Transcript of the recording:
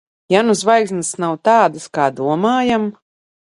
Ja nu zvaigznes nav tādas, kā domājam?